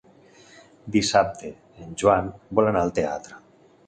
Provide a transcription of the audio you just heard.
Dissabte en Joan vol anar al teatre.